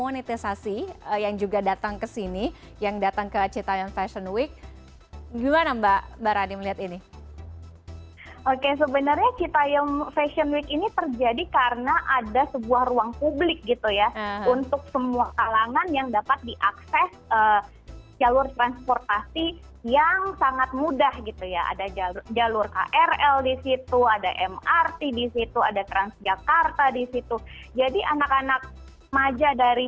empat orang orang dari kelas atas ini